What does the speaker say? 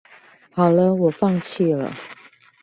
好了我放棄了